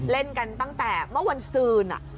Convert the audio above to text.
เล่นกันตั้งแต่เมื่อวันซืน